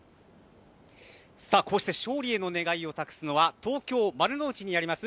こうして勝利への願いを託すのは東京丸の内にあります